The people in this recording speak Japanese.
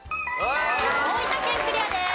大分県クリアです。